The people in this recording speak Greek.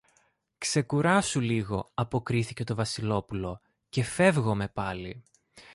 Ξεκουράσου λίγο, αποκρίθηκε το Βασιλόπουλο, και φεύγομε πάλι.